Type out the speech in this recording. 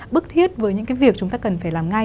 bức thiết với những cái việc chúng ta cần phải làm ngay